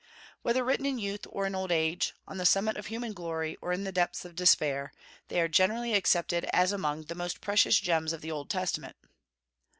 Whether written in youth or in old age, on the summit of human glory or in the depths of despair, they are generally accepted as among the most precious gems of the Old Testament.